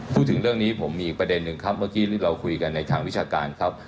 พูดถึงเรื่องนี้ผมมีอีกประเด็นหนึ่งครับเมื่อกี้เราคุยกันในทางวิชาการครับ